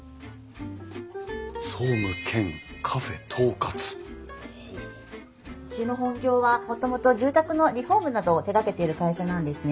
「総務兼ＣＡＦＥ統括」うちの本業はもともと住宅のリフォームなどを手がけている会社なんですね。